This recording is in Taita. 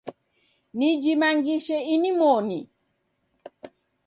Nijimangishe inimoni